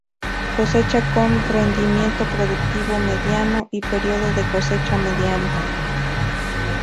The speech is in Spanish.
Cosecha con rendimiento productivo mediano, y periodo de cosecha mediano.